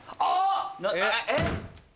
えっ？